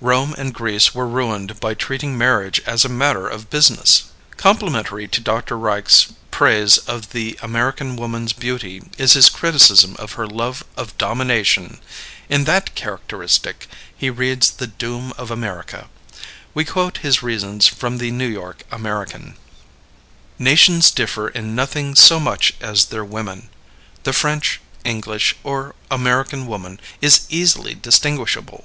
Rome and Greece were ruined by treating marriage as a matter of business. Complementary to Dr. Reich's praise of the American woman's beauty is his criticism of her love of domination. In that characteristic he reads the doom of America. We quote his reasons from the New York American: Nations differ in nothing so much as in their women. The French, English, or American woman is easily distinguishable.